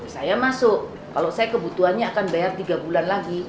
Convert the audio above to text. saya masuk kalau saya kebutuhannya akan bayar tiga bulan lagi